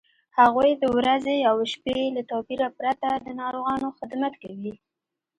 هغوی د ورځې او شپې له توپیره پرته د ناروغانو خدمت کوي.